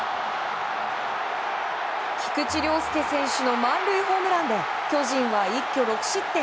菊池涼介選手の満塁ホームランで巨人は一挙６失点。